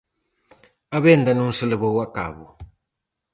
A venda non se levou a cabo.